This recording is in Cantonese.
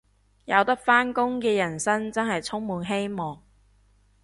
有得返工嘅人生真係充滿希望